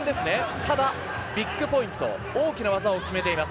ただ、ビッグポイント大きな技を決めています。